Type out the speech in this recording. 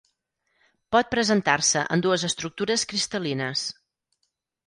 Pot presentar-se en dues estructures cristal·lines.